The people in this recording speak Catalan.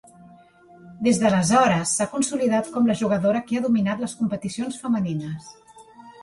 Des d'aleshores, s'ha consolidat com la jugadora que ha dominat les competicions femenines.